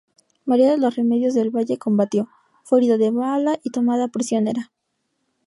María de los Remedios del Valle combatió, fue herida de bala y tomada prisionera.